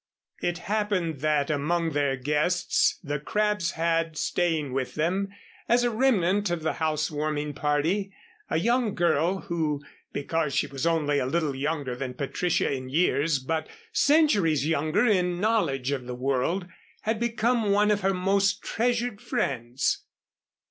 It happened that among their guests the Crabbs had staying with them as a remnant of the housewarming party a young girl who, because she was only a little younger than Patricia in years, but centuries younger in knowledge of the world, had become one of her most treasured friends.